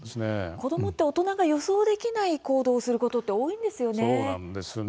子どもって大人が予想できない行動すること多いんですよね。